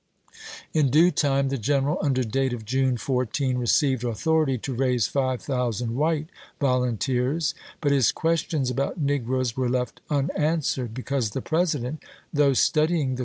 In due ^p.'^^' time the general, under date of June 14, received authority to raise five thousand white volunteers, but his questions about negroes were left unan swered because the President, though studying the ®t1f 1^?